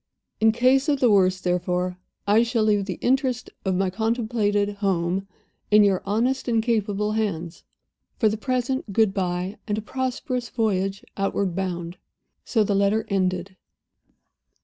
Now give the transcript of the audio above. In case of the worst, therefore, I shall leave the interests of my contemplated Home in your honest and capable hands. For the present good by, and a prosperous voyage outward bound." So the letter ended.